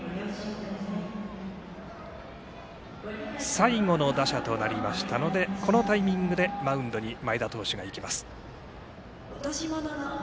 最後の打者となりましたのでこのタイミングでマウンドに前田投手が行きます。